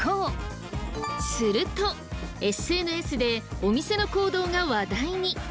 するとＳＮＳでお店の行動が話題に！